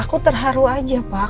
aku terharu aja pak